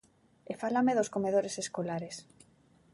E fálame dos comedores escolares.